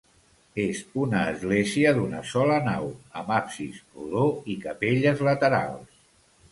És una església d'una sola nau amb absis rodó i capelles laterals.